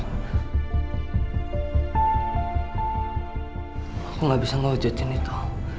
aku gak bisa ngewujudkan itu